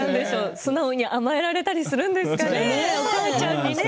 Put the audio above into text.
素直に甘えられたりするんですかね。